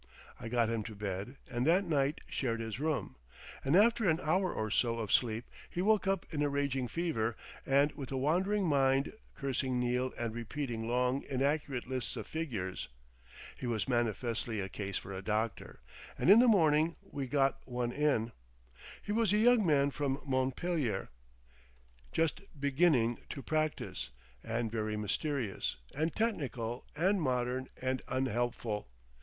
I got him to bed, and that night shared his room, and after an hour or so of sleep he woke up in a raging fever and with a wandering mind, cursing Neal and repeating long, inaccurate lists of figures. He was manifestly a case for a doctor, and in the morning we got one in. He was a young man from Montpelier, just beginning to practise, and very mysterious and technical and modern and unhelpful.